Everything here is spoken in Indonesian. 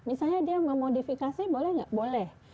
misalnya dia memodifikasi boleh nggak boleh